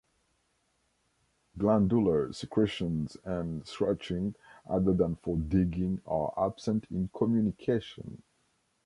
Glandular secretions and scratching, other than for digging, are absent in communication.